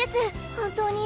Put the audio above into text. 本当に。